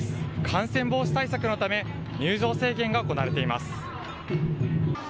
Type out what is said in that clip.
感染防止対策のため、入場制限が行われています。